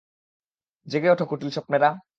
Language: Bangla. জেগে ওঠো কুটিল স্বপ্নেরা।